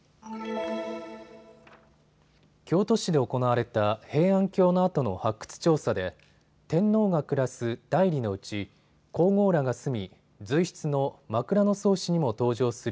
京都市で行われた平安京の跡の発掘調査で天皇が暮らす内裏のうち皇后らが住み随筆の枕草子にも登場する